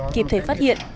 kịp thể phát hiện